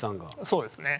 そうですね。